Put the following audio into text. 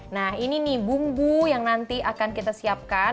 nah ini nih bumbu yang nanti akan kita siapkan